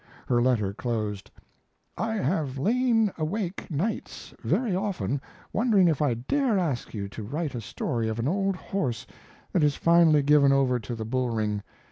Her letter closed: I have lain awake nights very often wondering if I dare ask you to write a story of an old horse that is finally given over to the bull ring.